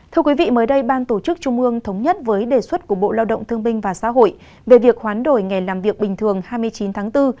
thưa quý vị mới đây ban tổ chức trung ương thống nhất với đề xuất của bộ lao động thương binh và xã hội về việc hoán đổi ngày làm việc bình thường hai mươi chín tháng bốn